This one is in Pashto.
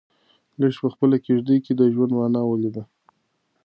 لښتې په خپله کيږدۍ کې د ژوند مانا ولیده.